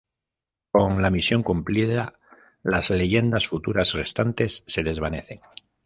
Con la misión cumplida, las Leyendas futuras restantes se desvanecen.